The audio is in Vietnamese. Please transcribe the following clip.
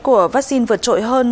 của vaccine vượt trội hơn